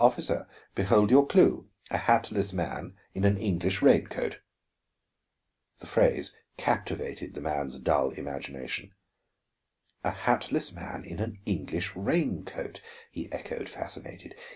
Officer, behold your clue: a hatless man in an English rain coat." The phrase captivated the man's dull imagination. "A hatless man in an English rain coat," he echoed, fascinated.